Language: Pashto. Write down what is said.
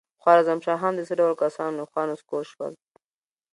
خوارزم شاهان د څه ډول کسانو له خوا نسکور شول؟